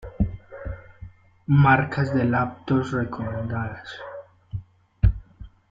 Marcas de laptops recomendadas